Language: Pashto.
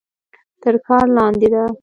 تر کار لاندې ده.